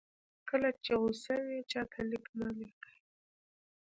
کله چې غوسه وئ چاته لیک مه لیکئ.